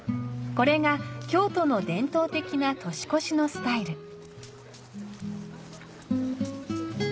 これが京都の伝統的な年越しのスタイル。